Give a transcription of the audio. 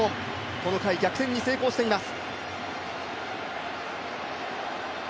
この回、逆転に成功しています。